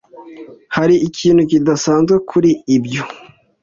Hari ikintu kidasanzwe kuri ibyo?